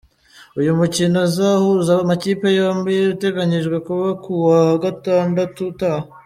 Uyu mukino uzahuza amakipe yombi uteganyijwe kuba ku wa Gatandatu utaha.